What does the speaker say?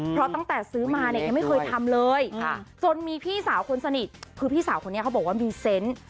เพราะตั้งแต่ซื้อมาเนี่ยยังไม่เคยทำเลยจนมีพี่สาวคนสนิทคือพี่สาวคนนี้เขาบอกว่ามีเซนต์